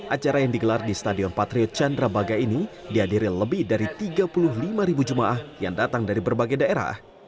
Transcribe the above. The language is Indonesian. acara yang digelar di stadion patriot candrabaga ini dihadiri lebih dari tiga puluh lima ribu jemaah yang datang dari berbagai daerah